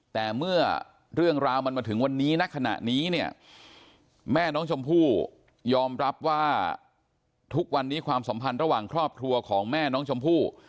แต่เมื่อเรื่องราวมันมาถึงวันนี้ณขณะนี้เนี่ยแม่น้องชมพู่ยอมรับว่าทุกวันนี้ความสัมพันธ์ระหว่างครอบครัวของแม่น้องชมพู่